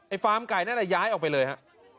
ฟาร์มไก่นั่นแหละย้ายออกไปเลยฮะ